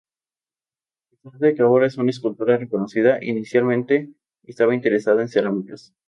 A pesar de que ahora es una escultora reconocida, inicialmente estaba interesada en cerámicas.